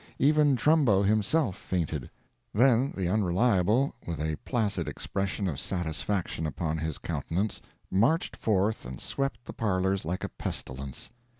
Even Trumbo, himself, fainted. Then the Unreliable, with a placid expression of satisfaction upon his countenance, marched forth and swept the parlors like a pestilence.